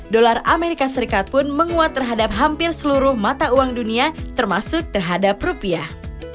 dolar amerika serikat pun menguat terhadap hampir seluruh mata uang dunia termasuk terhadap rupiah